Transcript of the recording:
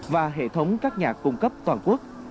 và hệ thống các nhà cung cấp toàn quốc